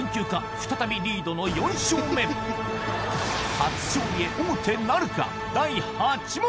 再びリードの４勝目初勝利へ王手なるか？